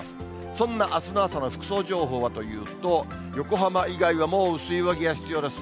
そんなあすの朝の服装情報はというと、横浜以外は、もう薄い上着が必要です。